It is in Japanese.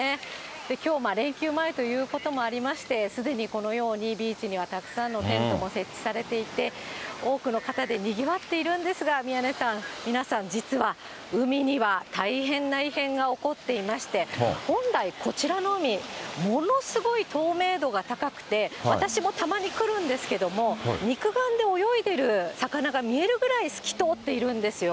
きょう、連休前ということもありまして、すでにこのようにビーチにはたくさんのテントも設置されていて、多くの方でにぎわっているんですが、宮根さん、皆さん、実は海には大変な異変が起こっていまして、本来、こちらの海、ものすごい透明度が高くて、私もたまに来るんですけれども、肉眼で泳いでる魚が見えるぐらい、透き通っているんですよ。